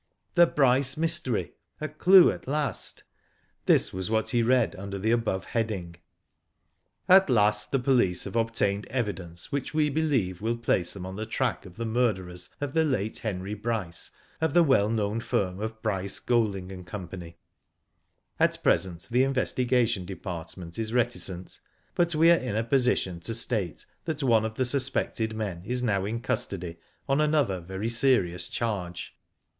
*'The Bryce Mystery. A clue at last." This was what he read under the above heading :" At last the police have obtained evidence which we believe will place them on the track of 'he murderers of the late Henry Bryce, of the well known firm of Bryce, Golding, and Co. At present the investigation department is reticent; but we are in a position to state that one of the suspected men is now in custody on another very serious charge.